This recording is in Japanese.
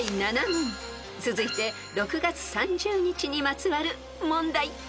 ［続いて６月３０日にまつわる問題］